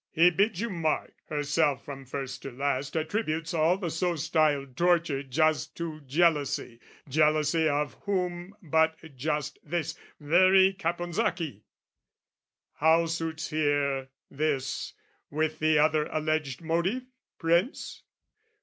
He bids you mark, herself from first to last Attributes all the so styled torture just To jealousy, jealousy of whom but just This very Caponsacchi! How suits here This with the other alleged motive, Prince?